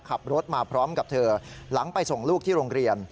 ขับรถมาพร้อมกับเธอหลังไปส่งลูกที่โรงเรียน